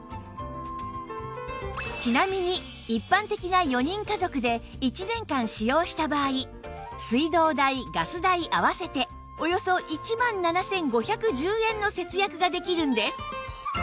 ちなみに一般的な４人家族で１年間使用した場合水道代ガス代合わせておよそ１万７５１０円の節約ができるんです